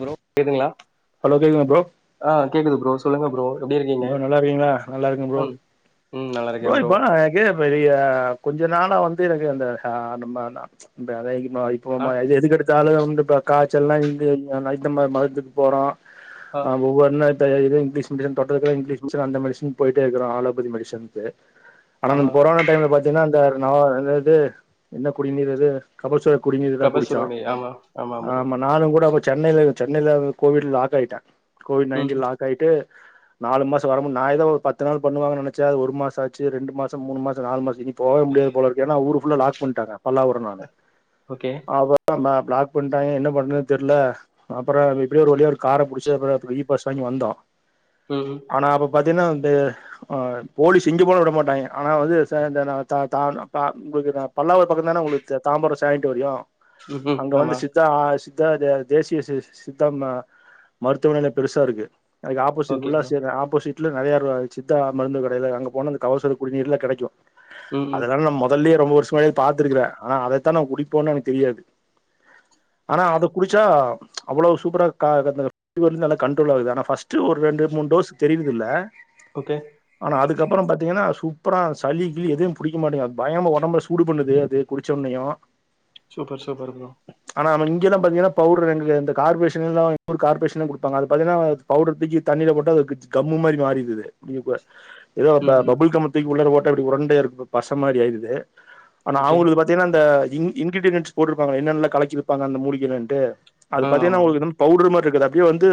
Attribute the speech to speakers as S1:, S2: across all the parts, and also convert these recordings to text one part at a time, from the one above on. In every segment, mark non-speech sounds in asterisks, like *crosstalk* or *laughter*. S1: Bro கேக்குதுங்களா
S2: hello கேக்குதாங்க bro
S1: ஆ கேட்குது ப்ரோ சொல்லுங்க ப்ரோ எப்படி இருக்கீங்க
S2: ப்ரோ நல்லா இருக்கீங்களா நல்லா இருக்கே
S1: ம் ம் நல்லாருக்கே ப்ரோ
S2: இல்ல பெரிய கொஞ்ச நாளா வந்து எனக்கு இந்த ஆ நம்ம அந்த அ இப்போ
S1: ஆ
S2: மா எது எதுக்கெடுத்தாலு வந்து இப்ப காச்சல்லா இங்க அடுத்த மதத்துக்கு போறோ ஆ ஒன்னாத்லருந்து இங்கிலீஷ் மீடியம் தொட்டதுக்கெல்லா இங்கிலீஷ் மெடிஷன் அந்த மெடிஷன்னு போயிட்டே இருக்கோ ஆலோபதி மெடிஷனுக்கு ஆனா
S1: ஆமா
S2: நம்ம கொரோனா அந்த டைம்ல பாத்தீங்கன்னா அந்த நவா என்னது என்ன குடிநீீர் அது கபசுர குடிநீரதா குடிச்சோ
S1: கபசுரோனி ஆமா ப்ரோ
S2: ஆமா நானு கூட அப்ப சென்னைல சென்னையில கோவிட் லாக் ஆயிட்டே கோவிட்
S1: ம்
S2: நைன்டீன் லாக் ஆயிட்டு நாலு மாசோ வர முடில்ல நா ஏதோ ஒரு பத்து நாள் பண்ணுவாங்கன்னு நெனச்சே அது ஒரு மாசோ ஆச்சு ரெண்டு மாச மூண மாசம் நாலு மாசோவரி போகவே முடியாது போல இருக்கு ஏன்னா ஊர் ஃபுல்லா லாக் பண்ணிட்டாங்க பல்லாவரோ நானு
S1: ஓகே
S2: அப்ப ந பிளாக் பண்ணிட்டாங்க என்ன பண்றதுன்னு தெரில்ல அப்பறோ இப்படியோ ஒரு வழியா ஒரு கார புடிச்சு அப்றோ இபாஸ் வாங்கி வந்தோ
S1: ம்
S2: ஆனா அப்ப பாத்தீங்கன்னா வந்து ஆ போலீஸ் இங்க கூட விட மாட்டாங்க ஆனா வந்து ச இந்த தாத்தா அப்பா உங்க பல்லாவர பக்கம் தான ஒங்களுக்கு தாம்பரோ சேனிடோரியோ
S1: ம் ம்
S2: அங்க வந்து
S1: ஆமா
S2: சித்தா சித் தா அது தேசிய சி சித்தா ம மருத்துமனைல பெருசா இருக்கு அதுக்கு ஆப்போசிட்
S1: ஓகே
S2: ஃபுல்லா
S1: ப்ரோ
S2: ஆ ஆப்போசிட்ல நிறைய சித்தா மருந்து கடையில்ல அங்க போனா இந்த கபசுர குடிநீர்லா கெடைக்கு
S1: ம் ம்
S2: அதனால நம்ம மொதல்லயே ரொம்ப வருஷமாவே பாத்திருக்கிறே ஆனா அதைத்தானா குடிப்போன்னு எனக்கு தெரியாது ஆனா அத குடிச்சா அவ்வளோ சூப்பரா கா அது அந்த சலி வந்து நல்லா கன்ட்ரோல் ஆகுது ஆனா ஃபர்ஸ்ட் ஒரு ரெண்டு மூணு டோஸ் தெரியிர்தில்ல
S1: ஒகே
S2: ஆனா அதுக்கப்பற பாத்தீங்கன்னா சூப்பரா சளி கிளி எதும் புடிக்க மாட்டேகுது அது பயாகமா ஒடம்ப சூடு பண்ணுது அது புடிச்ச ஒன்னயு
S1: சூப்பர் சூப்பர் ப்ரோ
S2: ஆனா நம இங்கெல்லா பாத்திங்கன்னா பவுடுரு இங்க இந்த கார்பரஷன்லா எங்க ஊரு கார்பரேஷல குடுப்பாங்க அது பாத்தீங்னா பவுடர் தூக்கி தண்ணில போட்ட அது கம்மு மாரி மாறிறுது இப்ப ஏதோ
S1: ம் ம்
S2: பாபுல்கம் தூக்கி உள்ளக போட்ட அப்படி உரண்டயா இருகு பச மாரி ஆயிருது ஆனா
S1: ஓகே
S2: அவங்க பாத்தி பாத்தின அந்த இங் இன்கிரிடியன்ஸ் போட்ருப்பாங்க ல என்னென்னால கலக்கி வப்பாங்க அந்த மூலிகைலண்டு அது
S1: ஆ ஆமா ப்ரோ.
S2: பத்திகன பவ்ட்ரு மாரி இருக்காது அப்டியே வந்து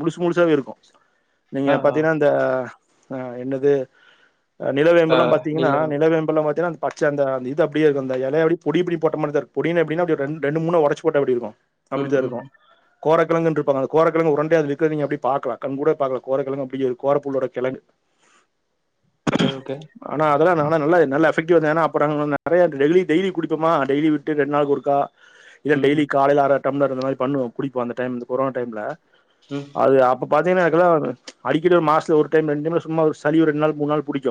S2: முழுசு முழுசாவே இருக்கு நீங்க
S1: ஆ ஆ
S2: பாத்தீங்கன்னா இந்த ஆ என்னது
S1: ஆ
S2: நிலவேம்பலா பாத்தீங்கன்னா
S1: நீல
S2: நிலவேம்பல பாத்தீன்னா அந்த பட் ச்ச அந்த இது அப்டியே அந்த எலய அப்டி புடிங் புடிங்கி போட்ட மாறிதா இருக்கு பொடின்னு எப்பிடினா ரெண்டு மூணு ஒடச்சு போட்ட எப்டி இருக்கு
S1: ம்
S2: அப்டித்தா
S1: ம்
S2: இருக்கு கோரக்கெழங்குன்ருப்பாங்க அது கோரக்கெழங்கு உருண்டயா அதுல இருக்குறத நீங்க அப்டியே பாக்கல கண் கூட பாக்கல கோரக்கெழங்கு அப்டியே கோரப்பூல்லோட கெழங்கு
S1: ஒகே ஒகே
S2: ஆனா அதெல்லா நான்லா நல்ல நல்ல எஃபெக்டிவ்வா இருந்த அப்பற நெறைய டெய்லி டெய்லி குடிப்பமா டெய்லி விட்டு ரெண்டு நாளுக்க ஒருக்கா இத
S1: ம்
S2: டெய்லி
S1: ம்
S2: காலைல‌ அற டம்ளர் அந்த மாரி பண்ணுவோ குடிப்போ அந்த டைம்ல கொரோனா டைம்ல
S1: ம்
S2: அது அப்ப பாத்தீங்ன்னா எனக்கெல்லா அடிக்கிற மாஸ்த்துல ஒரு டைம் ரெண்டு டைம்ல சும்மா ஒரு சளி ஒரு ரெண்டு நாள் மூணு நாள் புடிக்கு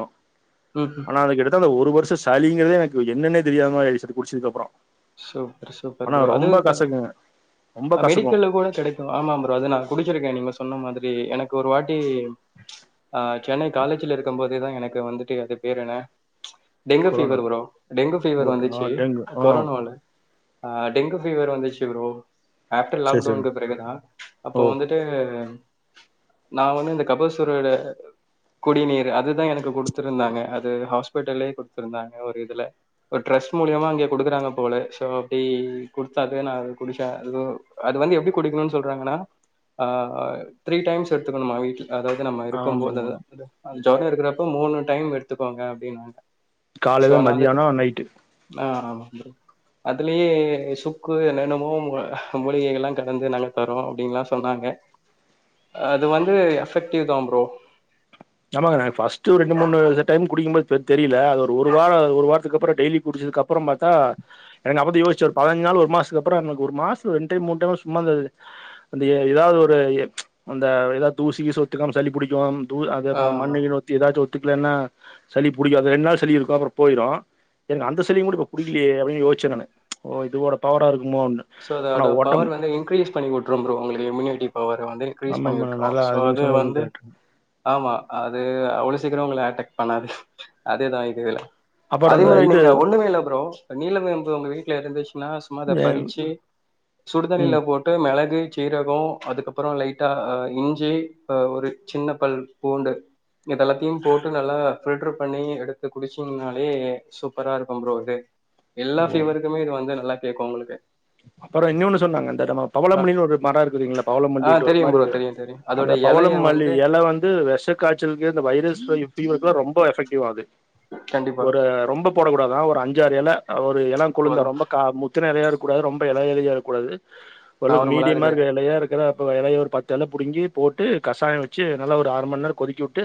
S1: ம் ம்
S2: ஆனா அதுக்கிட்டத்த அந்த ஒரு வருஷ சாலிங்கிறதே எனக்கு என்னென்னே தெரியாதமார் ஆய்டுச்சு அத குடிச்சதுக் அப்பறொ
S1: சூப்பர் சூப்பர் ப்ரோ அது எதுக்
S2: கசக்குங்க ரொம்ப
S1: *unintelligible*
S2: கசக்கும்
S1: மெடிக்கல்ல கூட கெடைக்கு ஆமா ப்ரோ அது நா குடிச்சிருக்கே நீங்க சொன்ன மாரி எனக்கு ஒரு வாட்டி ஆ சென்னை காலேஜ்ல இருக்கு போதுதா எனக்கு வந்துட்டு அது பேரு என்ன டெங்கு
S2: கொரோனா
S1: பீவர் வரு டெங்கு பீவர்
S2: மூட்டு ஆ
S1: வந்துச்சு
S2: டெங்கு ஆ
S1: கொரோனால ஆ டெங்கு பீவர் வந்துச்சு ப்ரோ ஆப்டர்
S2: சரி சரிங்க
S1: லாக்டவுனுக்கு பிறகுதா அப்போ
S2: ஓ
S1: வந்துட்டு நா வந்து இந்த கப சூறட குடிநீர் அதுதா எனக்கு குடுத்துருந்தாங்க அது ஹாஸ்பிட்டல்லயே குடுத்துருந்தாங்க ஒரு இதுல ட்ரஸ் மூலியமா அங்கேயே குடுக்குறாங்க போல சோ அப்டி குடுத்தாக நா குடிச்சே அது அது வந்து எப்டி குடிக்கணுனு சொல்றாங்கன்னா அ த்ரீ டைம்ஸ் எடுத்துக்கணுமா வீக்லி அதாது நம்ம இருக்கும்போது
S2: ஆமாங்க
S1: ஜொரோ இருக்கிறப்போ மூணு டைம் எடுத்துக்கோங்க அப்டினாங்க
S2: காலைல மதியானோ நைட்டு
S1: ஆ ஆமா ப்ரோ அதுலயே சுக்கு என்னென்னமோ மூலிகைகள்லா கலந்து நாங்க தருவோ அப்டின்லா சொன்னாங்க அது வந்து எஃபெக்டிவ் தா ப்ரோ
S2: ஆமாங்க ஃபஸ்டு ரெண்டு மூனு டைம் குடிக்கும்போது தெ தெரியல அது ஒரு வார ஒரு வாரத்துக்கப்பரோ டெய்லி குடிச்சதுக்கப் அப்பறம்பாத்தா எங்கப்பதா யோஸ்ச்சார் பதினஞ் நாள் ஒரு மாசத்துக் அப்பறோ ஒரு மாசத்து ரெண் டைம் மூன் டைம் சும்மா இருந்தது அந்த எதாவ்து ஒரு அந்த எதா தூசி கிசி ஒத்துக்காம சளி புடிக்கு தூ அ
S1: ஆமா
S2: மண்னு கின்னு ஒத்து ஏதாச்சு ஒத்துக்கிலன்னா சளி புடிக்கு அது ரெண்டு நாள் சளி இருக்கோ அப்புற போயிரு எனக்கு அந்த சளி கூட இப்ப புடிக்கலயே அப்டின்னு யோசிச்சே நானு ஓ இதுவோட பவரா இருக்குமோன்னு
S1: சோ
S2: ஆனா
S1: அதோட
S2: ஒடம்
S1: பவர் வந்து இன்க்ரீஸ் பண்ணி விட்டுரு ப்ரோ உங்களுக்கு இம்யூனிட்டி பவர் வந்து க்ரீஸ் பண்ணி
S2: ஆமாமா
S1: விட்டுறோ
S2: நல்லா
S1: சோ
S2: நீங்க
S1: அது
S2: சொன்னது
S1: வந்து
S2: கரெக்ட்
S1: ஆமா அது அவ்ளோ சீக்றோ உங்கள அட்டாக் பண்ணாது அதேதா இதுவேல
S2: அப்புறோ
S1: அதே
S2: அந்த
S1: மாரி
S2: இது
S1: நீங்க ஒண்ணுமே இல்ல ப்ரோ நீல வேம்பு உங்க வீட்ல இருந்துச்சுன்னா சும்மா அத
S2: எ
S1: பறி ச்சி சுடுதண்ணில
S2: ம்
S1: போட் ட்டு மெளகு சீரகோ அதுக்கப்பறோ லைட்டா இஞ்சி அ ஒரு சின்ன பல் பூண்டு இதெல்லாத்தையு போட்டு நல்லா ஃபில்டர் பண்ணி எடுத்து குடிச்சீங்கனாலே சூப்பரா இருக்கு ப்ரோ அது எல்லா ஃபீவருக்குமே இது வந்து நல்லா கேக்கோ உங்களுக்கு
S2: அப்பறோ இன்யூன்னு சொன்னாங்க அந்த நம
S1: அ
S2: பவளமல்லின்னு ஒரு மரோ இருக்குதுங்களா
S1: ஆ
S2: பவளமல்லின்டு ஒரு
S1: தெரியும்
S2: மாரி
S1: ப்ரோ தெரியும் தெரியும். அதோட
S2: அந்த பவள
S1: இலைய
S2: மல்லி
S1: வந்து
S2: எல வந்து வெஷக் காச்சல்க்கு இந்த வைரஸ் ஃபையு ஃபீவர்க்குல்லா ரொம்போ எஃபெக்டிவ் அது
S1: கண்டிப்பா
S2: ஒரு ரொம்போ போடக் கூடாதா ஒரு அஞ்சாறு எல அ ஒரு எலங் கொழுந்த
S1: போதும்.
S2: ரொம்போ கா முத்துன எலையா இருக் கூடாது ரொம்ப எல எலையா இருக் கூடாது ஒலக்
S1: நார்மலா
S2: மீடியமா
S1: இருக்கு.
S2: இருக்ற எலையா இருக்ற அப்ப எலைய ஒரு பத் தெல்ல புடுங்கி போட்டு கசாயோ வெச்சு நல்லா ஒரு ஆர் மண் நேரோ கொதிக்கி வுட்டு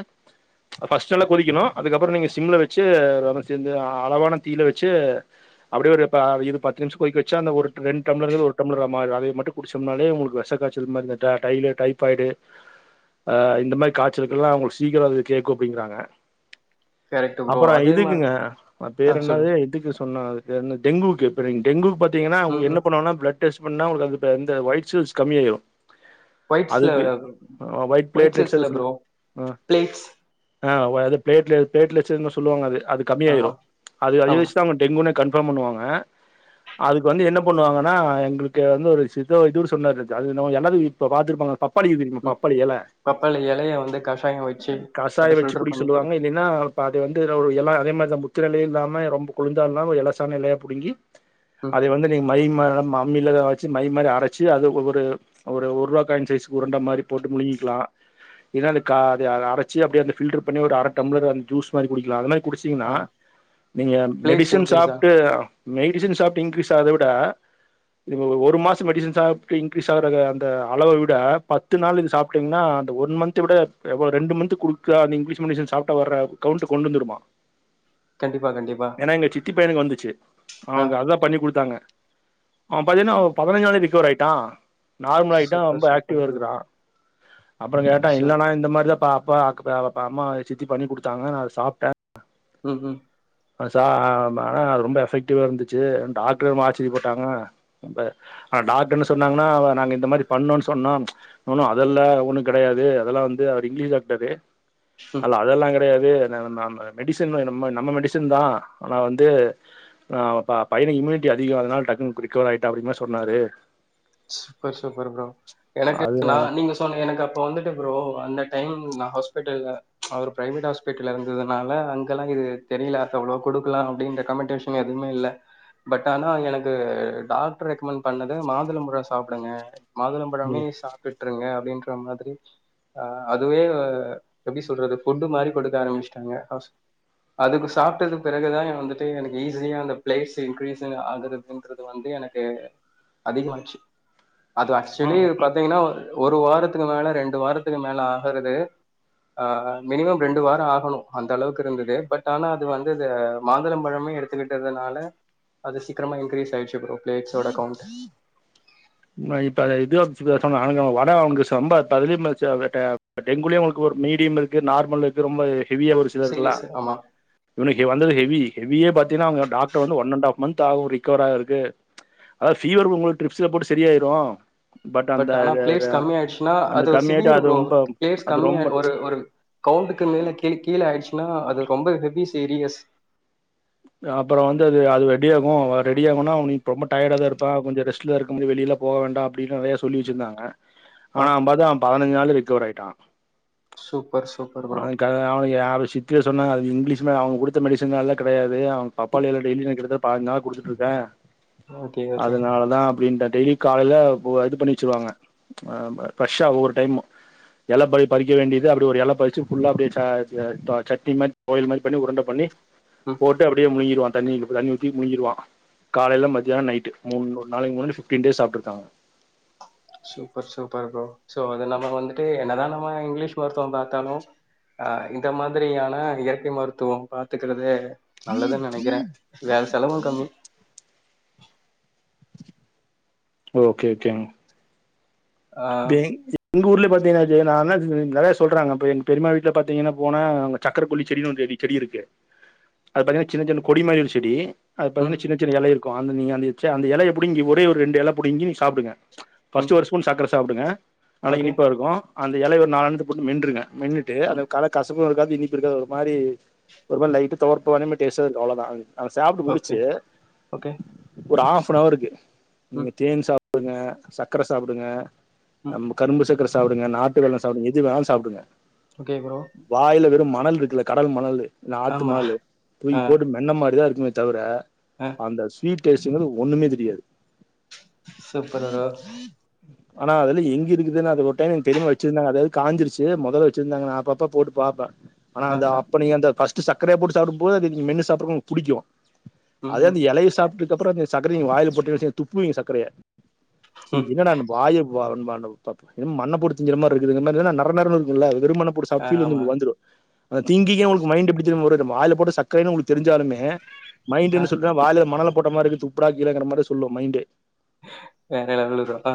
S2: ஃபஸ்ட்டு நல்லா கொதிக்கணோ அதுக்கப்புறோ நீங்க சிம்ல வெச்சு எல்லாமே சேந்து அளவான தீயுல வெச்சு அப்டியே ஒரு பா இது பத்து நிமிஷ் கொதிக்க வெ ச்சு அந்த ஒரு ட்ரு ரெண்டு டம்லருங்கறது ஒரு டம்ளரா மாறோ அதய மட்டு குடிச்சோம்னாலே உங்குளுக்கு விஷக்காச்சல் மாரி இந்த ட டைய்ல டை பாய்டு அ இந்த மாரி காய்ச்சலுக்குலா அவங்களுக்கு சீக்கிரோ அது கேக்கு அப்டீங்கறாங்க
S1: கரெக்ட் ப்ரோ.
S2: அப்பறோ
S1: அதே மா
S2: இதுக்குங்க அ
S1: ஆ
S2: பேரு
S1: சொல்லு.
S2: என்னாது இதுக்கு சொன்னா அது யன்ன டெங்குக்கு இப்ப நீங்க டெங்குக்கு பாத்தீங்கன்னா
S1: ம்,
S2: அவங்க என்ன
S1: ம்.
S2: பண்ணுவாங்கன்னா ப்ளட் டெஸ் பண்ணா உங்களுக்கது ப இந்த வொய்ட் செல்ஸ் கம்மி ஆயிரோ
S1: ஒயிட்ஸ்ல
S2: அதுக்கு ஒயிட் பிளேட் லேட்ஸ் எதோ
S1: சைஸ்ல
S2: சொல்
S1: ப்ரோ.
S2: உ
S1: பிளேட்ஸ்
S2: ஆ வ இது பிளேட்லேட்டு பிளேட்லுஸ்னு சொல்லுவாங்க அது அது
S1: ஆமா,
S2: கம்மியாயிரோ அது அதியே
S1: ஆமா.
S2: வெச்சுதா டெங்குனே கன்ஃபார்ம் பண்ணுவாங்க அதுக்கு வந்து என்ன பண்ணுவாங்கன்னா எங்களுக்கு வந்து ஒரு சித்த வைத்தியிறு சொன்னாரு அது என்னவோ எல்லாரு இப்ப பாத்துருப்பாங்க பப்பாளி இருக்குது தெரியுமா
S1: ம்.
S2: பப்பாளி எல
S1: பப்பாளி இலைய வந்து கஷாயம் வச்சு அத
S2: கசாயோ வெச்சு
S1: ஃபில்டர்
S2: குடிக்க
S1: பண்ணி குடி.
S2: சொல்லுவாங்க அப்டீனா ஒரு பாதி வந்து ஒரு எல அதே மாரிதா முத்துன எலயு இல்லாம ரொம்போ குளுந்தா இல்லாம எலசான எலயா புடுங்கி
S1: ம்.
S2: இப்ப வந்து நீ மை ம அம்மி ல வெச்சு மை மாரி அரச்சு அத ஒரு ஒரு ஒரூவா காயின் சைஸ்கு உருண்ட மாறி போட்டு முழுங்கிக்குலா இல்லனா அந்த கா அது அ அரச்சு அப்டியே அத ஃபில்டர் பண்ணி ஒரு அர டம்ளர் அந்த ஜூஸ் மாரி குடிக்குலா அதமாரி குடிச்சீங்ன்னா
S1: ஆ
S2: நீங்க
S1: பிளேட்ஸ்
S2: மெடிஸன்
S1: இன்கிரீஸா?
S2: சாப்ட்டு மெடிஸன் சாப் டிங்க்ரிஷ் ஆவத விட இது ஒ ஒ ஒரு மாசம் மெடிஸன் சாப்ட்டு இன்க்ரீஸ் ஆவுறத அந்த அளவ விட பத்து நாள் இது சாப் ப்டிங்னா அந்த ஒன் மந்த் விட எ வோ ரெண்டு மந்த் குடுக்க அந்த இங்கிலீஷ் மெடிஷன் சாப்ட்டா வர கவுண்ட்டு கொண்டு வந்துருமா
S1: கண்டிப்பா, கண்டிப்பா.
S2: ஏன்னா எங்க சித்தி பையனுக்கு வந்துச்சு
S1: ஆ
S2: அவுனுக்கு அதா பண்ணி குடுத்தாங்க அவ பாத்தீங்கனா பதினஞ்சி நாள்ல ரிக்கவர் ஆயிட்டா நார்மல் ஆயிட்டா ரொம்ப
S1: சூப்பர், சூப்பர்
S2: ஆக்டிவா
S1: ப்ரோ.
S2: இருக்குறா அப்பறங் கேட்டா
S1: சூப்
S2: இல்லனா இந்த மாரிதா பா பா கப பா அம்மா சித்தி பண்ணி குடுத்தாங்க நா அத சாப்ட்டே
S1: ம் ம்
S2: ப சா மா அ ரொம்ப எஃபெக்டிவா இருந்துச்சு டாக்டர்மே ஆச்சரிய பட்டாங்க ரொம்ப ஆ டாக்டர் என்ன சொன்னாங்கன்னா நாங்க இந்த மாரி பண்ணோ சொன்னோ நோ நோ அதெல்ல ஒண்ணு கெடையாது அதெல்லா வந்து அவரு இங்கிலீஷ் டாக்ட்டரு அல்ல அதெல்லா கெடையாது நம் ம ம் அ மெடிசின் நம் நம்ம மெடிஸ் வச்சிர்ந்தா ஆனா வந்து ஆ ப பையனுக்கு இம்யூனிட்டி அதிகோ அதுனால டக்குனு குறிக்கோள் ஆயிட்டா அப்டியுமே சொன்னாரு
S1: சூப்பர் சூப்பர் ப்ரோ எனக்கு
S2: அதுல
S1: நா நீங்க போனே எனக்கு அப்ப வந்துட்டு ப்ரோ அந்த டைம் நா ஹாஸ்பிட்டல்ல அவரு ப்ரைவேட் ஹாஸ் வீட்டுல இருந்ததுனால அங்கெல்லா இது தெரில எவ்ளோ குடுக்கலா அப்டின்ற கமெண்டேஷன் எதுமே இல்ல பட் ஆனா எனக்கு டாக்டர் ரெக்கமண் பண்ணது மாதுளம் ப ழொ சாப்டுங்க மாதுளம்பழமே
S2: ம்
S1: சாப்டுட்ருங்க அப்டின்ற மாதிரி ஆ அதுவே எப்டி சொல்றது ஃபுட்டு மாரி கொடுக்க ஆரம்பிச்ட்டாங்க ஹாஸ் அது இப்ப சாப்ட்டது பிறகுதா எ வந்துட்டு எனக்கு ஈஸியா அந்த பிளேட்ஸ் இன்க்ரீஸு ஆகுது இன்க்றது வந்து எனக்கு அதிகமாச்சு அது ஆக்சொலி
S2: ஆ
S1: பாத்திங்கன்னா ஒரு வாரத்துக்கு மேல ரெண்டு வாரத்துக்கு மேல ஆகுறது ஆ மினிமம் ரெண்டு வார ஆகணு அந்த அளவுக்கு இருந்தது பட் ஆனா அது வந்து இது மாதளம் பழமே எடு த்துக்கிட்டதுனால அது சீக்கரமா இன்கிரீஸ் ஆயிர்ச்சு ப்ரோ ப்ளேட்ஸோட கவுண்ட்
S2: ம இப்ப அது இது *unintelligible* டெங்குலயு உங்களுக்கு ஒர் மீடியம் இருக்கு நார்மல் இருக்கு ரொம்ப ஹெவியா ஒரு சிலர்க்குல்லா
S1: சீரியஸ் ஆமா.
S2: இவனக்கு வந்தது ஹெவி ஹெவியே பாத்திங்னா அவுங்க டாக்டர் வந்து ஒன் அண்ட் ஹாஃப் மந்த் ஆகு ரிக்கவர் ஆகுறக்கு அதாது ஃபீவர் உங்களுக் ட்ரிப்ஸ்ல போட்டு சரியாயிரு
S1: பட் ஆனா பிளேஸ் கம்மி ஆயிட்ச்சுனா
S2: அந்த
S1: அது
S2: கம்மியாயிட்டு
S1: சிவியர்
S2: அது
S1: ப்ரோ
S2: ரொம்ப
S1: பிளேஸ்
S2: அது
S1: கம்மிய
S2: ரொம்ப
S1: ஒரு ஒரு கவுண்டுக்கு மேல கெ கீழ ஆயிட்ச்சுனா அது ரொம்ப ஹெவி சீரியஸ்
S2: அப்பறொ வந்து அது அது ரெடியாகு ரெடியாகுனா நீ இப்ப ரொம்ப டயடா தா இருப்ப கொஞ்சொ ரெஸ்ட்ல இருக்கும்போது வெளில போக வேண்டா அப்டின்னு நெறையா சொல்லி வச்சிருந்தாங்க
S1: ஆ
S2: ஆனா அவ பாத்தா அவ பதினஞ்சு நாள்ல ரெக்கவர் ஆயிட்டா
S1: சூப்பர் சூப்பர் ப்ரோ
S2: அவனுகு யாரு சித்திய சொன்னா அது இங்கிலீஷ் அவுங்க கொடுத்த மெடிசன்லால கெடையாது அவ பப்பாளி எல டெய்லி நா கிட்ட தட்ட பாஞ்சுநாள் கொடுத்துட்ருக்கே
S1: ஓகே ஓகே
S2: அவ்ளதா அப்டின்ட்ட டெய்லி காலைல பொ இது பண்ணி வச்சிருவாங்க ஆ ஃரெஷ்ஷா ஒவ்வொரு டைம்மு எல பாதி பறிக்க வேண்டியது அப்டி ஒரு எல பறிச்சு ஃபுல்லா அப்டியே ச ச சட்னி மாரி கோலி மாதிரி பண்ணி உருண்ட பண்ணி
S1: ம்.
S2: போட்டு அப்டியே முழிங்கிருவாங்க தண்ணி கப்பு தண்ணி ஊத்தி முழுங்கிருவா காலைல மத்தியான நைட்டு மூன்னு நாளைக்கு *unintelligible* ஃபிஃப்ட்டீன் டேஸ் சாப்ட்ருக்காங்க
S1: சூப்பர் சூப்பர் ப்ரோ சோ அது நம்ம வந்துட்டு என்னதா நம்ம இங்லீஷ் மருத்துவொ பாத்தாலு அ இந்த மாதிரியான இயற்கை மருத்துவம் பாத்துக்குறது நல்லதுன் நெனைக்கிறே வேற செலவு கம்மி
S2: ஓ ஓகே ஓகேங்
S1: ஆ
S2: *unintelligible* எங்க ஊர்ல பாத்திங்னாச்ச நா *unintelligible* நெறைய சொல்றாங்க அப்ப எங் பெரிம்மா வீட்ல பாத்திங்கனா போனா அங்க சக்கர கொல்லி செடின்னு ஒரு செடி செடி இருக்கு அது பாத்திங்னா சின்ன சின்ன கொடிமாறி செடி அத பாத்திங்ன
S1: ம்
S2: சின்ன சின்ன எல இருக்கு அந்த நீங்க அந்த ச்செ அந்த எலய புடுங்கி ஒரே ஒரு ரெண்டு எல புடுங்கி நீங்க சாப்டுங்க பர்ஸ்ட்
S1: ம்
S2: ஒரு ஸ்பூன் சக்கர சாப்டுங்க நல்லா
S1: ஓகே
S2: இனிப்பா இருக்கு அந்த எல ஒரு நாலஞ்சு போட்டு மென்றுங்க மென்னுட் ட்டு அந்த
S1: ம்
S2: கல கசப்பு இருக்காது இனிப்பு இருக்காது ஒரு மாரி ஒரு மாறி லைட்ட தொவர்ப்பு மாறி டேஸ்டா இருக்கு அவ்ளதா சாப்ட்டு
S1: ஓகே
S2: முடிச்சு
S1: ஓகே
S2: ஒரு ஹாஃப்நவர்க்கு நீங்க
S1: ம்
S2: தேன் சாப் டுங்க சர்க்கர சாப்டுங்க
S1: ம்
S2: நம்ப கரும்பு சர்க்கர சாப்டுங்க நாட்டு வெள்ளொ சாப்டுங்க எது வேணாலு சாப்டுங்க
S1: ஓகே ப்ரோ
S2: வாய்ல வெறு மணல் இருக்குல்ல கடல் மணலு இல்ல ஆத்து
S1: ஆமா
S2: மணலு தூக்கி போடும தின்ன மாரிதா இருக்குமே தவுர
S1: அ
S2: அந்த ஸ்வீட் டேஸ்டுங்றது ஒன்னுமே தெரியாது
S1: சூப்பருக
S2: ஆனா அதுல எங்க இருக்குதுனு அத ஒரு டைம் எங்க பெரியம்மா வச்சிருந்தங்க அதாவது காஞ்சிருச்சு முதல்ல வச்சிருந்தாங்கா நா அப்ப அப்ப போட்டு பாப்பே ஆனா
S1: ஆ
S2: அந்த
S1: ஆ
S2: அப்ப நீங்க அந்த ஃபஸ்ட் சக்கரைய போட்டு சாப்டும் போதுஅத நீங்கமென்னு சாப்புடறது புடிக்கு
S1: ம்
S2: அதே
S1: ம்
S2: அந்த இலைய சாப்பிட்டுதுக்குப்புறோ நீங்க சக்கரைங்க வாயில போட்டு துப்புவீங்க சக்கரைய
S1: ம்
S2: சக்கரயே அந்த வாயே வா மண்ண போட்டு திங்கற மாறி இருக்குது இத மாரிதான நர நரனு இருக்குல இருமன புடிச் அது
S1: ஆ ஆமா
S2: பீலிங்கு வந்துரு திங்கிங்க உங்களுக்கு மைண்ட் எப்புடி ஒரு வாய போட்டு சக்கரையினு தெரி்சாலுமே மைண்ட்
S1: ஆ
S2: என்ன சொல்லுமே வாயில மணல போட்ட மாதிரிக்கு துப் ப்படா கீழ கிடக்கிற மாரிசொல்லு மைண்டு
S1: வேற யாரு இள்ளவ்ருஅ ஆ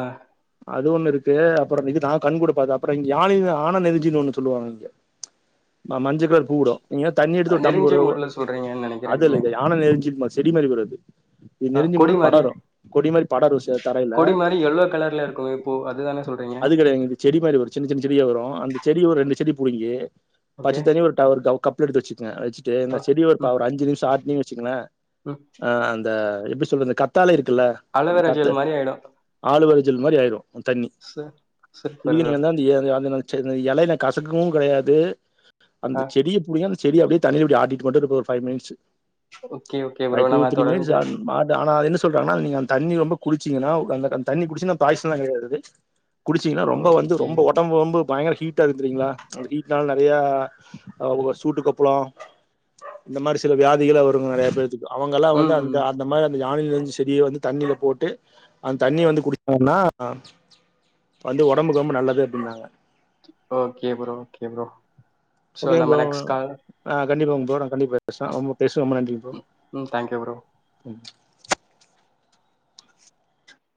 S2: அது ஒண்ணு இருக்கு அப்புறோ இது நா கண் கூட பாக்ற அப்புறோ இங்கயான ஆனந்த் எல்சின்னு ஒண்ணு சொல்லுவாங்க இங்க மஞ்சகலரு பூவுடு நீங்க தண்ணி எடுத்து ஒரு
S1: நெருஞ்சிய
S2: தம்போடு
S1: முள்ள சொல்றீங்கன்னு நெனைக்கிறே நீங்க
S2: அதெலனப்டி ஆனாதுஎல்ஞிப்லு செடிமாரி வறது இது
S1: ஆ
S2: நெருஞ்சு
S1: கொடி
S2: முள்
S1: மாரி
S2: படரு கொடிமாதிரி படரு சே தரையில
S1: கொடி மாரி எல்லோ கலர்ல இருக்கு ஓ அதுதானே சொல்றீங்க
S2: அது கிடயாது இந்த செடி மாரி வரு சின்ன சின்ன செடியா வரு அந்த செடி ஒரு ரெண்டு செடி புடிங்கி பச்ச
S1: ஓகே
S2: தண்ணி ஒரு ஒரு கவ் கப்ல எடுத்து வச்சுக்கங்க வச்சுட்டு இந்த
S1: ஓகே
S2: செடி ஒருப்பா
S1: ம்
S2: ஒரு அஞ்சுநிமிசோ ஆட்டுனிங் வச்சுக்கோங்களே
S1: ம்
S2: ஆ அந்த எப்டிசொல்லது கத்தாழ இருக்குல்லெ
S1: அழவெறா ஜெல் மாரி ஆய்டு
S2: ஆழுவெற ஜெல் மாரி ஆய்ரு தண்ணி
S1: சு சூப்பர் ப்ரோ
S2: நீங்களியந்தன் *unintelligible* எலய்ல கசக்கு கெடயாது
S1: ஆ
S2: அந்த செடிய புடுங்கி அந்த் செடிய அப்டி தலைய அப்டி ஆட்டிட்டு மட்டு இருகு ஒரு five minutes
S1: okay okay bro
S2: அத் ட்டு
S1: நம்ம
S2: த்றீ மின்ட்ஸ்
S1: தொடர்ந்து
S2: ஆனுமா அதானா என்ன சொ என்னசொல்றாங்ன நீங்க வந்த் தண்ணி ரொம்ப குடிச்சீங்க்னா ஒடல்ல தண்ணி குடிச்சினா பாய்சன்ல கெடையாறது குடிச்சிங்ன்னா ரொம்ப வந்து
S1: ஓகே
S2: ரொம்ப ஒடம்பு ரொம்ப பயங்கற ஹீட் ட்டா இருக்குறிங்க்ளா அந்த வீட்னால நிறைய ஒ சூட்டுக்கொப்ளோ இந்தமாரி சில வியாதிகளே வருங்க் நெறைய பேருக் இப் அவங்கல்லா வந்து
S1: ம்
S2: அந்த
S1: ம்
S2: அந்தமாரி அந்த யானையிலிருந்த செடிய வந்து தண்ணில போட்டு அந்தண்ணிய வந்து குடிச்சாங்னா அ வந்து ஒடம்புக்கு ரொம்ப நல்லது அப்டின்னாங்க
S1: ஓகே ப்றோ ஓகே ப்றோ
S2: ஒகேங்ப்றோ அ கண்டிப்ப போறெ கண்டிப்பா பேசுனா
S1: ஆ
S2: ரொம்ப பேசுவம நன்றி ப்ரோ
S1: ம் ம் தேங்க்யூ ப்ரோ